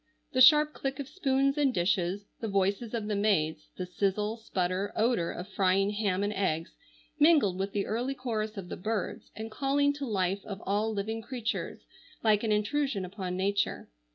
The sharp click of spoons and dishes, the voices of the maids, the sizzle, sputter, odor of frying ham and eggs, mingled with the early chorus of the birds, and calling to life of all living creatures, like an intrusion upon nature.